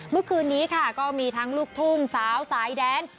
เมื่อคืนนี้ค่ะก็มีทั้งลูกทุ่งสาวสายแดน